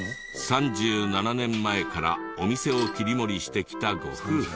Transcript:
３７年前からお店を切り盛りしてきたご夫婦。